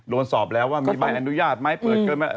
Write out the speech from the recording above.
โดนสอบแล้วว่ามีใบอนุญาตไหม